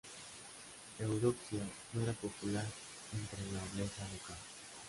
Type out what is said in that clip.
Eudoxia no era popular entre la nobleza local.